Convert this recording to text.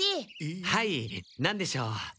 はいなんでしょう？